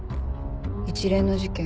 一連の事件